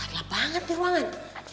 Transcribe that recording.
gelap banget di ruangan